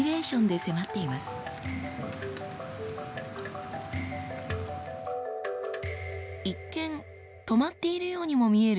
一見止まっているようにも見える宇宙の雲。